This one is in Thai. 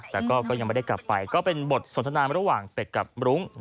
แต่ก็ยังไม่ได้กลับไปก็เป็นบทสนทนาระหว่างเป็ดกับรุ้ง